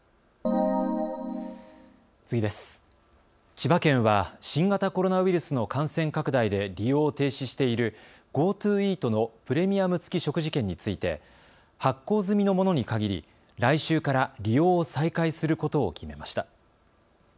千葉県は新型コロナウイルスの感染拡大で利用を停止しているＧｏＴｏイートのプレミアム付き食事券について発行済みのものに限り来週から利用を再開することを決めました。